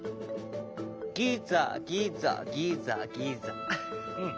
ギザギザギザギザ。